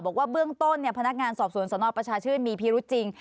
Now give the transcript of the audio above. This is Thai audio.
บอกว่าเบื้องต้นพนักงานสอบสวนสนประชาชื่นมีพิรุษจริง